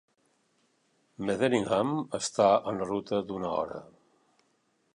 Metheringham està en la ruta d'una hora.